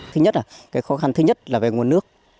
thứ nhất là cái khó khăn thứ nhất là về nguồn nước